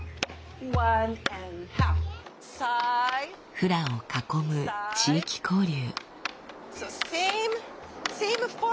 フラを囲む地域交流。